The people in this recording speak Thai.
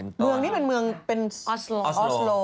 เมืองนี้เป็นเมืองออสโล่